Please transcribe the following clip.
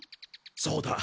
そうだ。